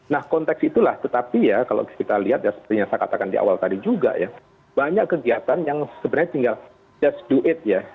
nah konteks itulah tetapi ya kalau kita lihat ya seperti yang saya katakan di awal tadi juga ya banyak kegiatan yang sebenarnya tinggal just do at ya